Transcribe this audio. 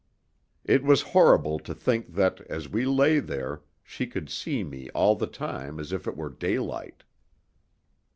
It was horrible to think that, as we lay there, she could see me all the time as if it were daylight.